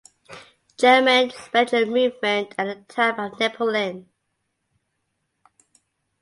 German spiritual movement at the time of Napoleon.